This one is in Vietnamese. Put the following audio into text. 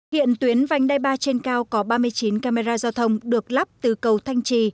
hiện tuyến vành đai ba trên cao có ba mươi chín camera giao thông được lắp từ cầu thanh trì